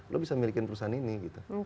lo bisa milikin perusahaan ini gitu